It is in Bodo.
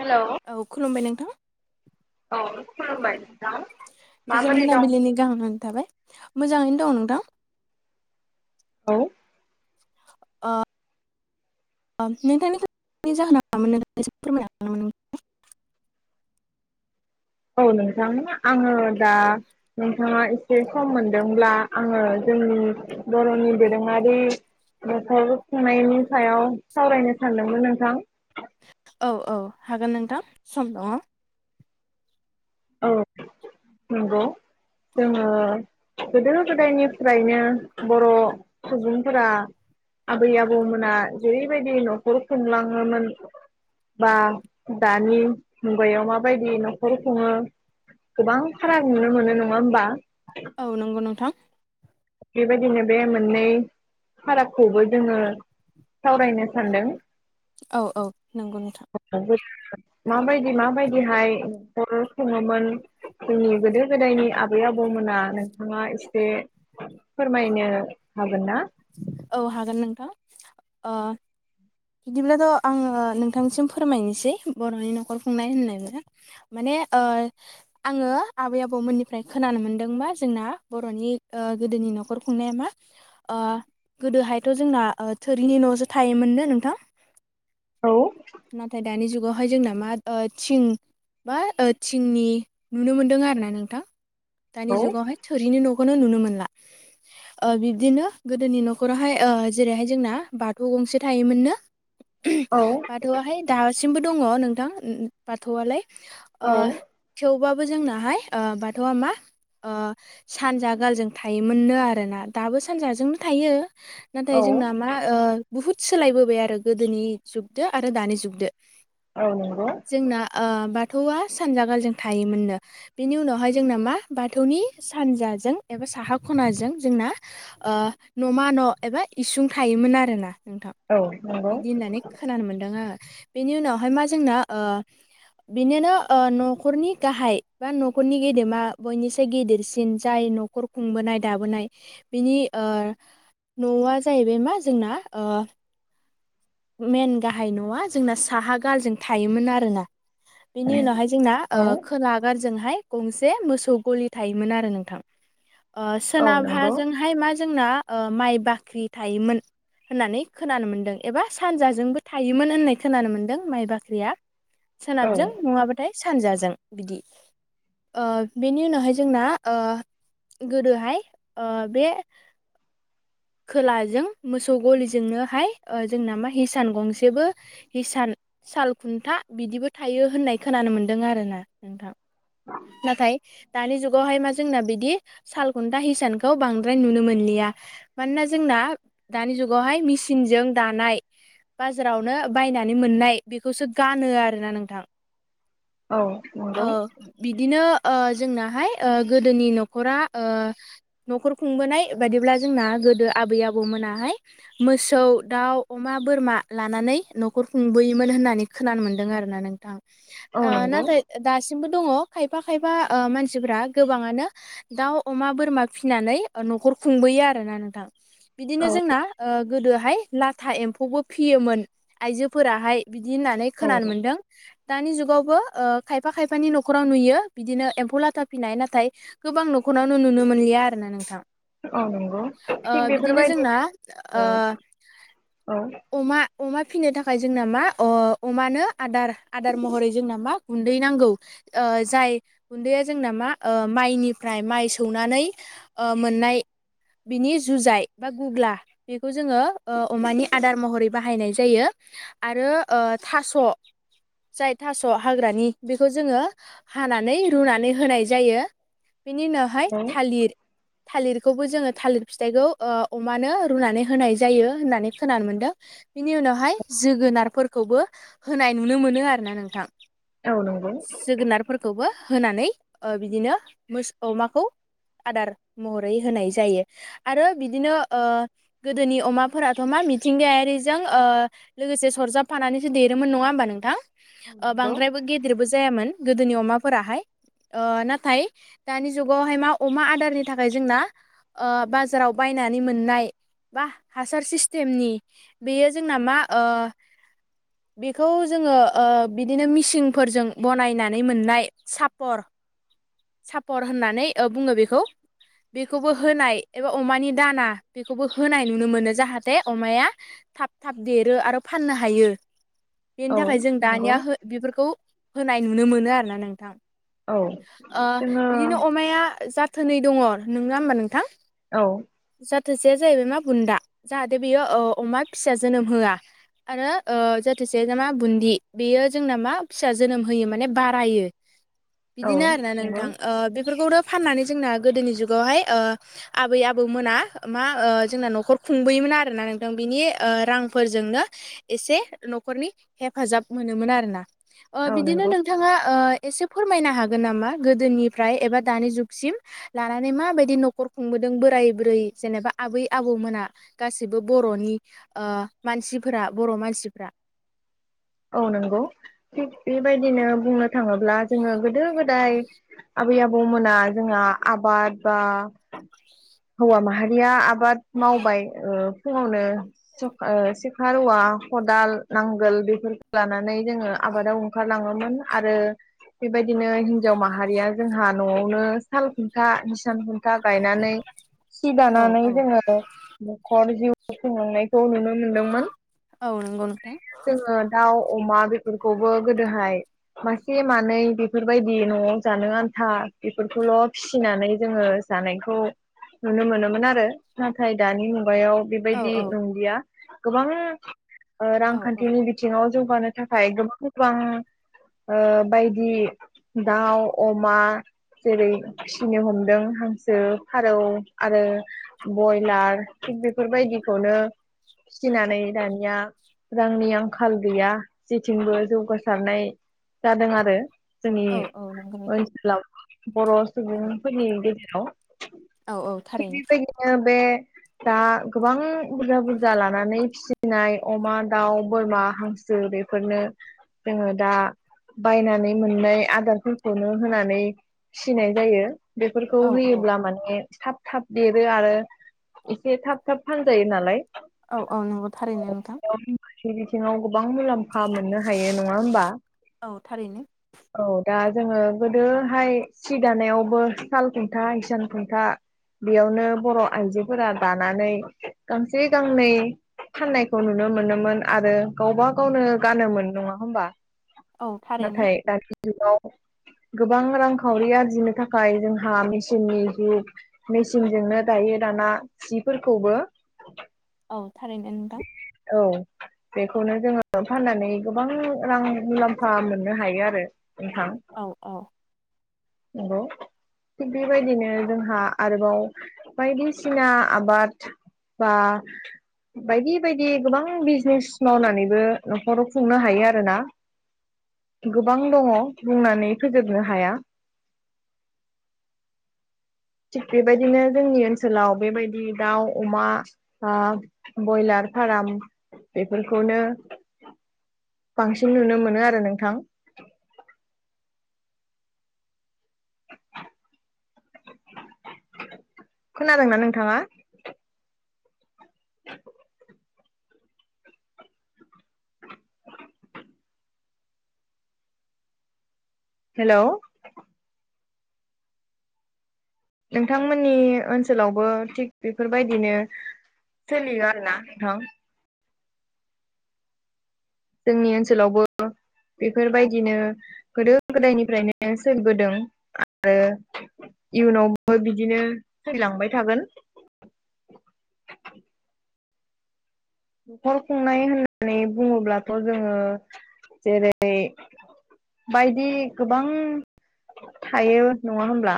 हेलौ औ खुलुमबाय नोंथां औ खुलुमबाय। नोंथां गोजोन माबोरै दं मोनाबिलिनि गाहाम हामनाय थाबाय मोजाङैनो नो दं नोंथां? औ आ आम नोंथांनि [inaudible] औ नोंथां। आङो दा नोंथाङा एसे सम मोनदोंब्ला आङो जोंनि बर'नि दोरोङारि नख'र खुंनायनि सायाव सावरायनो सानदोंमोन नोंथां। औ औ हागोन नोंथां सम दङ। औ नंगौ जोङो गोदो गोदायनिफ्रायनो बर' सुबुंफोरा आबै आबौमोना जेरैबायदि न'खर खुंलाङोमोन बा दानि मुगायाव माबायदि न'खर खुङो गोबां फाराग नुनो मोनो नङा होमबा? औ नंगौ नोंथां। बेबायदिनो बे मोननै फारागखौबो जोङो सावरायनो सानदों औ औ नंगौ नोंथां [inaudible] माबायदि माबायदि हाय नखरखौ खुङोमोन जोंनि गोदो गोदायनि आबै आबौमोना नोंथाङा एसे [inaudible] फोरमायनो हागोन ना? औ हागोन नोंथां ओ बिदिब्लाथ' आङो नोंथांनिसिम फोरमायनोसै बर'नि न'खर खुंनाय होननाय [unintelligible] माने [unintelligible] माने आङो आबै आबौमोननिफ्राय खोनानो मोनदोंबा जोंना बर'नि ओ गोदोनि न'खर खुंनाया मा ओ गोदोहायथ' जोंना थोरिनि न'सो थायोमोननो नोंथां? औ नाथाय दानि जुगाव हाय जोंना मा थिं मा थिंनि नुनो मोनदों आरो ना नोंथां दानि औ जुगावहाय थोरिनि न'खौनो नुनो मोनला ओ बिब्दिनो गोदोनि न'खरावहाय ओ जेरैहाय जोंना बाथौ गंसे थायोमोननो औ बाथौआहाय दासिमबो दङ नोंथां बाथौआलाय ओ औ थेवबाबो जोंनाहाय बाथौआ मा ओ सानजा गालजों थायोमोननो आरोना दाबो सानजाजों थायो नाथाय नाथाय औ जोंना मा ओ बुहुद सोलायबोबाय आरो गोदोनि जुगदो आरो दानि जुगदो औ नंगौ जोंना ओ बा थौवा सानजा गालजों थायोमोननो बेनि उनावहाय जोंना मा बाथौनि सानजाजों एबा साहा खनाजों जोंना ओ न'मा न' एबा इसुं थायोमोन आरोना नोंथां औ नंगौ बिदि होननानै खोनानो मोन्दों बेनि उनावहाय मा जोंना बिनिनो न'खरनि गाहाय बा न'खरनि गेदेमा बयनिसाय गिदेरसिन जाय न'खर खुंबोनाय दाबोनाय बिनि ओ न'आ जाहैबाय मा जोंना ओ मेन गाहाइ नङा जोंना साहा गालजों थायोमोन आरोना बेनि उनावहाय जोंना औ ओ खोलागारजोंहाय गंसे मोसौ गलि थायोमोन आरो नोंथां। ओ औ नंगौ सोनाबाजोंहाय मा जोंना ओ माइ बाख्रि थायोमोन होननानै खोनानो मोनदों एबा सानजाजोंबो थायोमोन होननाय खोनानो मोनदों माइ बाख्रिया औ सोनाबजों नङाबाथाय सानजाजों बिदि ओ बेनि उनावहाय ओ गोदोहाय ओ बे खोलाजों मोसौ गलिजोंनोहाय ओ जोंनोमा हिसान गंसेबो हिसान साल खुन्था बिदिबो थायो होननाय खोनानो मोनदों। मोनदों आरोना नोंथां नाथाय दानि जुगावहाय मा जोंना बिदि सालखुन्था हिसानखौ बांद्राय नुनो मोनलिया। मानोना जोंना दानि जुगावहाय मिसिंजों दानाय बाजारावनो बायनानै मोननाय बेखौसो गानो आरोना नोंथां औ नंगौ ओ बिदिनो ओ जोंनाहाय ओ गोदोनि न'खरा न'खर खुंबोनाय बायदिब्ला जोंना गोदो आबै आबौमोनाहाय मोसौ दाउ अमा बोरमा लानानै न'खर खुंबोयोमोन होननानै खोनानो मोनदों आरोना नोंथां औ ओ नंगौ नाथाय दासि दासिमबो दङ खायफा खायफा मानसिफोरा गोबाङानो दाउ अमा बोरमा फिसिनानै न'खर खुंबोयो आरो ना नोंथां बिदिनो औ जोंना ओ गोदोहाय लाथा एम्फौबो फियोमोन आइजोफोराहाय बिदि होननानै खोनानो औ मोनदों। दानि जुगावबो खायफा खायफानि न'खराव नुयो बिदिनो एम्फौ लाथा फिनाय नाथाय गोबां नखर [unintelligible] नुनो मोनलिया आरो ना नोंथां औ नंगौ ओ थिग बिदिनो जोंना बेफोरबायदिनो ओ औ औ अमा अमा फिसिनो थाखाय जोंना मा अमानो आदार आदार महरै जोंना मा गुन्दै नांगौ जाय गुन्दैया जोंना मा माइनिफ्राय माइ सौनानै मोननाय बिनि जुजाइ बा गुग्ला बेखौ जोंङो अमानि आदार महरै बाहायनाय जायो आरो ओ थास' जाय थास' हाग्रानि बेखौ जोंङो हानानै रुनानै होनाय जायो बेनि उनावहाय औ थालिर थालिरखौबो जोंङो थालिर फिथाइखौ अमानो रुनानै होनाय जायो । जायो होननानै खोनानो मोनदों बिनि उनावहाय जोगोनारफोरखौबो होनाय नुनो मोनो आरो नोंथां औ नंगौ खौबो होनानै बिदिनो अमाखौ आदार महरै होनाय जायो आरो बिदिनो गोदोनि अमाफोराथ' मा मिथिंगायारिजों लोगोसे सरजाबफानानैसो देरोमोन नंङा होमबा नोंथां नंगौ बांद्रायबो गेदेरबो जायामोन गोदोनि अमाफोराहाय नाथाय दानि जुगावहाय मा अमा आदारनि थाखाय जोंना बाजाराव बायनानै मोननाय बा हासार सिस्टेमनि बेयो जोंना मा बेखौ जोंङो बिदिनो मिसिंफोरजों बनायनानै मोननाय सापर सापर होननानै बुंङो बेखौ बेखौबो होनाय एबा अमानि दाना बेखौबो होनाय नुनो मोनो जाहाथे अमाया थाब थाब देरो आरो फाननो हायो । बेनि औ थाखाय जों नंगौ दानिया बेफोरखौ होनाय नुनो मोनो आरोना नोंथां औ जोङो बिदिनो अमाया जाथोनै दंङो नंङा होमबा नोंथां औ जाथोसेया जाहैबाय मा बुन्दा जाहाथे बेयो अमा फिसा जोनोम होआ आरो जाथोसेया नामा बुन्दि बेयो जोंना मा फिसा जोनोम होयो माने बारायो औ बिदिनो आरो ना नंगौ नोंथां बेफोरखौ फाननानै जोंना गोदोनि जुगावहाय आबै आबौ मोना मा जोंना न'खर खुंबोयोमोन आरोना नोंथां बिनि रांफोरजोंनो एसे न'खरनि हेफाजाब मोनोमोन आरोोना औ बिदिनो नंगौ नोंथांङा एसे फोरमायनो हागोन नामा गोदोनिफ्राय एबा दानि जुगसिम लानानै माबायदि नखर खुंबोदों नों बोराय बुरै जेनेबा आबै - आबौमोना गासैबो बर'नि मानसिफोरा बर' मानसिफोरा [inaudible] औ नंगौ थिग बेबायदिनो बुंनो थांङोब्ला जोंङो गोदो गोदाय आबै- आबौमोना जोंहा आबाद बा हौवा माहारिया आबाद मावबाय फुंङावनो सेखा खदाल नांगोल बेफोरखौ लानानै जोंङो आबादाव ओंखारलांङोमोन आरो बेबायदिनो हिनजाव माहारिया जोंहा न'आवनो साल खुन्था हिसान खु फिथा गायनानै सि औ दानानै औ जोंङो न'खर जिउ खुंलांनाय खौ नुनो मोनदोंमोन औ नंगौ नोंथां जोंङो अमा बेफोरखौबो गोदोहाय मासे मानै बेफोरबायदि न'आव जानो आन्था बेफोरखौल' फिसिनानै जोंङो जानायखौ नुनो मोनोमोन आरो नाथाय दानि मु माबायाव औ बेबायदि औ नंलिया गोबां औ औ रांखान्थिनि बिथिङाव जौगानो थाखाय गोबां गोबां बायदि दाउअमा जेरै फिनो हमदों हांसो फारौ आरो बयलार थिग बेफोरबायदिखौनो फिसिनानै दानिया रांनि आं आंखाल गैया जेथिंबो जौगासारनाय जादों आरो जोंनि औ औ नंगौ नोंथां ओनसोलाव बर' औ सुबुंफोरनि गेजेराव औ औ थिग थारैनो। बेबादिनो बे दा गोबां बुरजा बुरजा लानानै फिसिनाय अमा दाउ बोरमा हांसो बेफोरनो जोङो दा बायनानै मोननाय आदारफोरखौनो होनानै फिनाय जायो बेफोरखौ औ औ होयोब्ला माने थाब थाब देरो आरो एसे थाब थाब फानजायो नालाय औ औ नंगौ थारैनो नोंथां माखासे बिथिङाव गोबां मुलाम्फा मोननो हायो नङा होमबा औ थारैनो औ दा जोङो गोदोहाय सि दानायावबो साल खुन्था इसान खुन्था बेयावनो बर' आइजोफोरा दानानै गांसे गांनै फाननायखौ नुनो मोनोमोन आरो गावबा गावनो गानोमोन नङा होमबा औ थारैनो हेलौ गोबां रांखावरि आरजिनो थाखाय जोंहा मेसिननि जुग मेसिनजोंनो दायो दाना सिफोरखौबो औ थारैनो नोंथां औ बेखौनो जोङो फाननानै गोबां रां मुलाम्फा मोननो हायो आरो नोंथां औ औ थिग बेबायदिनो जोंहा आरोबाव बायदिसिना आबाद बा बायदि बायदि गोबां बिजनेस मावनानैबो न'खराव खुंनो हायो आरोना गोबां दङ बुंनानै फोजोबनो हाया [inaudible] थिग बेबायदिनो जोंनि ओनसोलाव बेबायदि दाउ अमा बयलार फाराम बेफोरखौनो बांसिन नुनो मोनो आरो नोंथां खोनादोंना नोंथाङा [inaudible] हेलौ नोंथांमोननि ओनसोलावबो थिग बेफोरबायदिनो सोलियो आरो ना नोंथां जोंनि ओनसोलावबो बेफोरबायदिनो गोदो गोदायनिफ्रायनो सोलिबोदों आरो इयुनावबो बिदिनो थैलांबाय थागोन नखर खुंनाय होननानै बुङोब्लाथ जोङो जेरै बायदि गोबां थायो नङा होमब्ला